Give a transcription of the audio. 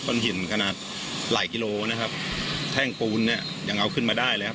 ก้อนหินขนาดไหล่กิโลนะครับแท่งปูนเนี่ยยังเอาขึ้นมาได้เลยครับ